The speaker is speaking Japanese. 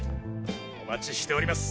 お待ちしております。